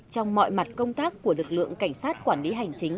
trong mọi mặt công tác của lực lượng cảnh sát quản lý hành chính